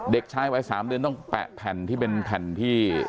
เด็กชายวัย๓เดือนต้องแปะแผ่นที่เป็นแผ่นที่